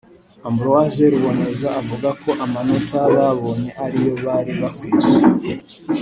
Ambroise Ruboneza avuga ko amanota babonye ariyo bari bakwiye